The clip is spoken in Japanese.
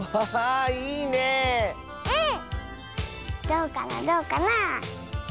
どうかなどうかな？